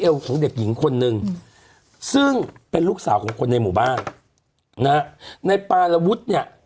ของเด็กหญิงคนนึงซึ่งเป็นลูกสาวของคนในหมู่บ้านนะฮะในปารวุฒิเนี่ย